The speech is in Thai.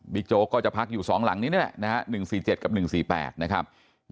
บิ๊กโจ๊กก็จะพักอยู่สองหลังนี้นี่แหละนะฮะหนึ่งสี่เจ็ดกับหนึ่งสี่แปดนะครับ